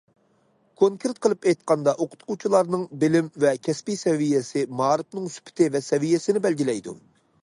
كونكرېت قىلىپ ئېيتقاندا، ئوقۇتقۇچىلارنىڭ بىلىم ۋە كەسپىي سەۋىيەسى مائارىپنىڭ سۈپىتى ۋە سەۋىيەسىنى بەلگىلەيدۇ.